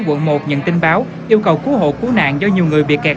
quận một nhận tin báo yêu cầu cứu hộ cứu nạn do nhiều người bị kẹt